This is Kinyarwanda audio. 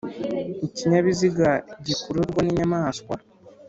ikinyabiziga gikururwa n inyamaswa